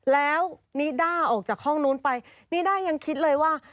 แล้วนิด้าออกจากห้องนู้นไปนิด้ายังคิดเลยว่า